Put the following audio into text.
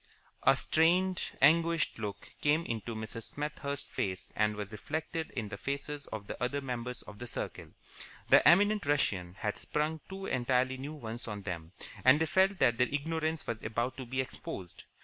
A strained, anguished look came into Mrs. Smethurst's face and was reflected in the faces of the other members of the circle. The eminent Russian had sprung two entirely new ones on them, and they felt that their ignorance was about to be exposed.